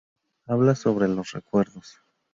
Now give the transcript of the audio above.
Habla sobre los recuerdos.